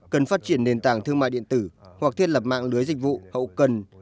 cần phát triển nền tảng thương mại điện tử hoặc thiết lập mạng lưới dịch vụ hậu cần